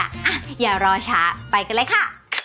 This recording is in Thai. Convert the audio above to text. อ่ะอย่ารอช้าไปกันเลยค่ะ